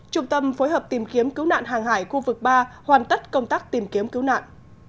trung tâm phối hợp tìm kiếm cứu nạn hàng hải khu vực ba hoàn tất công tác tìm kiếm cứu nạn